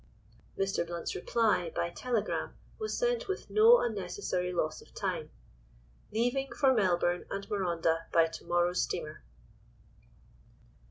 Mr. Blount's reply, by telegram, was sent with no unnecessary loss of time:— "Leaving for Melbourne and Marondah by to morrow's steamer."